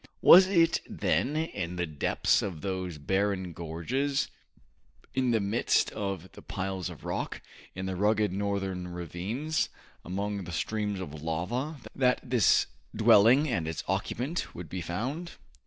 Was it then in the depths of those barren gorges, in the midst of the piles of rock, in the rugged northern ravines, among the streams of lava, that this dwelling and its occupant would be found?